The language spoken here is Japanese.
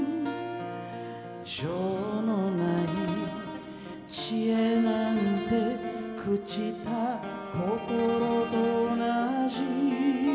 「情のない知恵なんて朽ちた心と同じ」